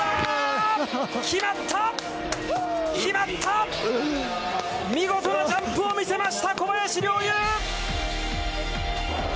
見事なジャンプを見せました小林陵侑！